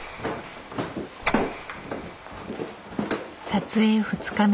撮影２日目。